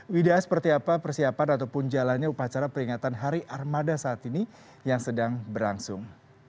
wida seperti apa persiapan ataupun jalannya upacara peringatan hari armada saat ini yang sedang berlangsung